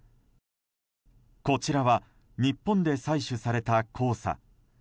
こちらは日本で採取された黄砂。